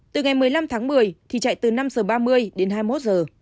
từ ngày một mươi năm tháng một mươi thì chạy từ năm giờ ba mươi đến hai mươi một giờ